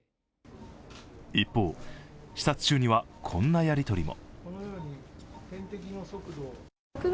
一方、視察中にはこんなやり取りも。